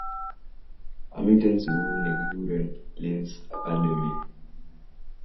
Amiten sukul ne kikuren limz academy